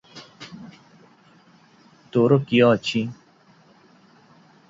ତୋର କିଏ ଅଛି?